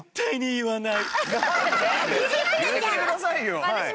言ってくださいよ。